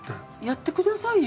やってくださいよ！